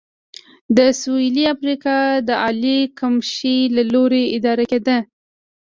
د سوېلي افریقا د عالي کمېشۍ له لوري اداره کېده.